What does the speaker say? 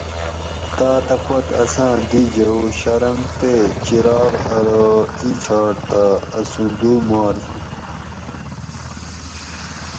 تاتہ پت اساں دی جھوؤ شرنگ تے چراغ ارو ایچھاٹ تہ اسوں دو مارجن